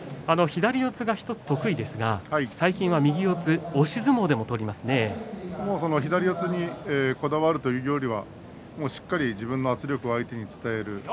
左四つが１つ得意ですが最近は右四つ左四つにこだわるというよりはしっかり自分の圧力を相手に伝える。